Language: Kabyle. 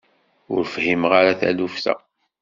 Ur fhimeɣ ara taluft-a.